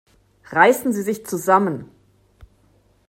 Reißen Sie sich zusammen!